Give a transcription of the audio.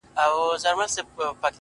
د چا د زړه ازار يې په څو واره دی اخيستی؛